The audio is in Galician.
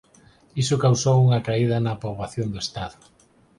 Iso causou unha caída na poboación do estado.